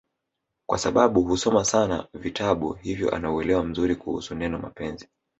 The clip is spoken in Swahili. kwasababu husoma sana vitabu hivyo ana uwelewa mzuri kuhusu neno mapenzi